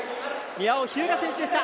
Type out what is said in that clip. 宮尾日向でした。